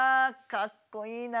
かっこいいな！